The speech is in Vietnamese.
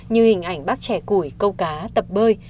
như hình ảnh bắc trẻ cùi câu cá tập bơi